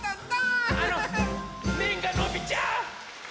あのめんがのびちゃう！